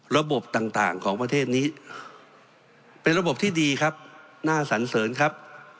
ระบบต่างของประเทศนี้เป็นระบบที่ดีครับน่าสันเสริญครับ